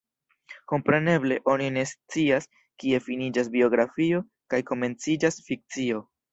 Kompreneble oni ne scias, kie finiĝas biografio kaj komenciĝas fikcio.